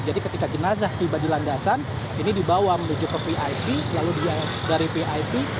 jadi ketika jenazah tiba di landasan ini dibawa menuju ke pip lalu dari pip